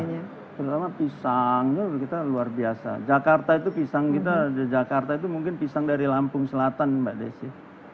terutama pisangnya kita luar biasa jakarta itu pisang kita di jakarta itu mungkin pisang dari lampung selatan mbak desi